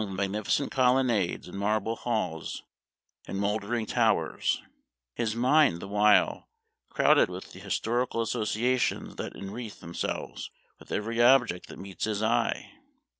169 the magnificent colonnades, and marble halls, and mouldering towers — his mind, the while, crowded with the historical associations that enwreathe themselves with every object that meets his eye.